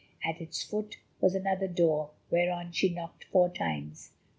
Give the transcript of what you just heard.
At its foot was another door, whereon she knocked four times.